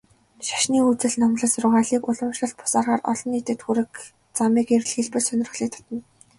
Шашны үзэл номлол, сургаалыг уламжлалт бус аргаар олон нийтэд хүргэх замыг эрэлхийлбэл сонирхлыг татна.